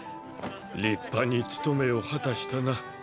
立派に務めを果たしたな。